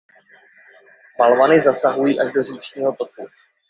Balvany zasahují až do říčního toku.